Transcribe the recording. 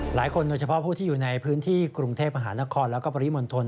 โดยเฉพาะผู้ที่อยู่ในพื้นที่กรุงเทพมหานครแล้วก็ปริมณฑล